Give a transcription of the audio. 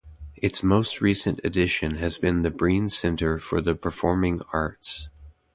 Its most recent addition has been the Breen Center for the Performing Arts.